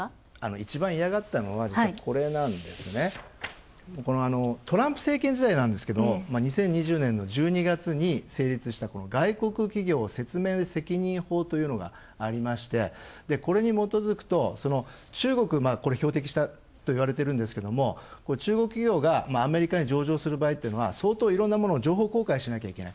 一番嫌がったのはトランプ政権時代なんですけど２０２０年の１２月に成立した外国企業説明責任法というのがありまして、これに基づくと、中国を標的にしたといわれているんですけど中国企業がアメリカに上場する場合っていうのは相当、いろんなものを情報公開しないといけない。